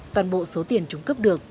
toàn bộ số tiền chúng cướp được